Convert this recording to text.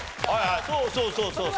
そうそうそうそう。